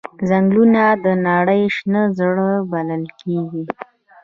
ځنګلونه د نړۍ شنه زړه بلل کېږي.